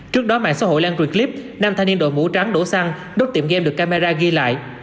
trước đó mạng xã hội lan truyền clip nam thanh niên đội mũ trắng đổ xăng đốt tiệm game được camera ghi lại